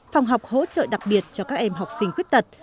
phòng học hỗ trợ đặc biệt cho các em học sinh khuyết tật